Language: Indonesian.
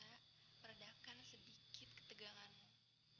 meredakan sedikit keteganganmu